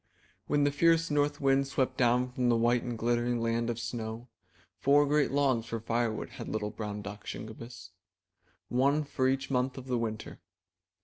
When the fierce North Wind swept down from the white and glittering Land of Snow, four great logs for firewood had little brown duck, Shingebiss; one for each month of the winter.